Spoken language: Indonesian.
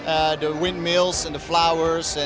air cair bunga kue dan semuanya